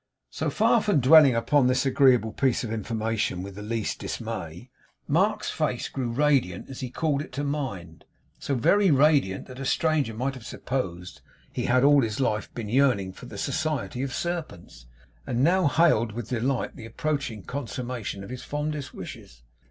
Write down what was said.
So far from dwelling upon this agreeable piece of information with the least dismay, Mark's face grew radiant as he called it to mind; so very radiant, that a stranger might have supposed he had all his life been yearning for the society of serpents, and now hailed with delight the approaching consummation of his fondest wishes.